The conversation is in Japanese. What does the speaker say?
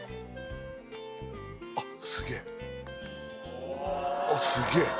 あっすげえあっすげえ！